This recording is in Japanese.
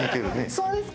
そうですか？